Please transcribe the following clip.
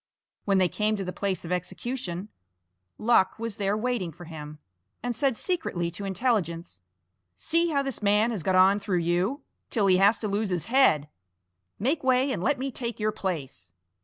When they came to the place of execution Luck was there waiting for him, and said secretly to Intelligence: "See how this man has got on through you, till he has to lose his head! Make way, and let me take your place!"